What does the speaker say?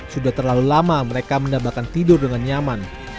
sudah terlalu lama mereka mendapatkan tidur dengan nyaman